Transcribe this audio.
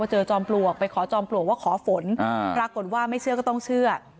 จอมปลวกไปขอจอมปลวกว่าขอฝนปรากฏว่าไม่เชื่อก็ต้องเชื่อ